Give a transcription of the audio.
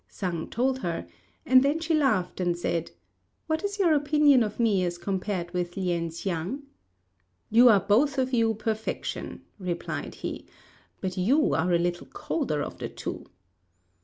Sang told her; and then she laughed and said, "What is your opinion of me as compared with Lien hsiang?" "You are both of you perfection," replied he, "but you are a little colder of the two."